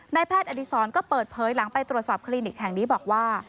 แพทย์อดีศรก็เปิดเผยหลังไปตรวจสอบคลินิกแห่งนี้บอกว่า